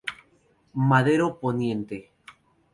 Madero Poniente.